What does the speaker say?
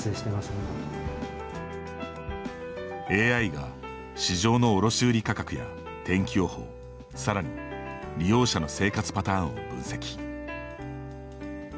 ＡＩが市場の卸売価格や天気予報さらに利用者の生活パターンを分析。